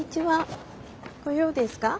ご用ですか？